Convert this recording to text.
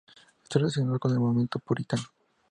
Está relacionado con el movimiento puritano.